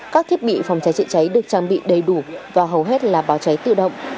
các thiết bị phòng cháy chữa cháy được trang bị đầy đủ và hầu hết là báo cháy tự động